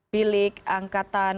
kita lihat pesawat stratégis